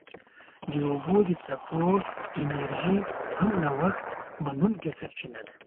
د اوبو د څپو انرژي هم نوښت منونکې سرچینه ده.